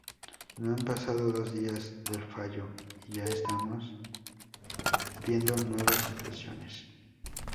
No han pasado dos días del fallo y ya estamos viendo nuevas situaciones.